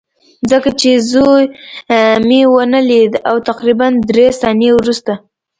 ځکه چې زوی مې ونه لید او تقریبا درې ثانیې وروسته